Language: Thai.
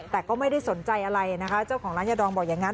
แต่ก็ไม่ได้สนใจอะไรนะคะเจ้าของร้านยาดองบอกอย่างนั้น